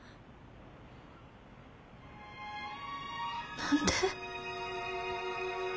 何で？